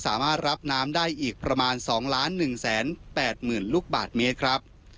สามารถรับน้ำได้อีกประมาณ๒๑๘๐๐๐ลูกบาทเมตรครับ